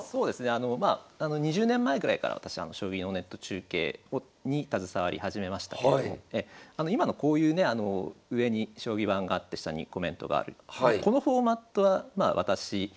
あのまあ２０年前ぐらいから私あの将棋のネット中継に携わり始めましたけれども今のこういうね上に将棋盤があって下にコメントがあるっていうこのフォーマットはまあ私が。